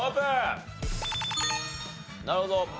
なるほど。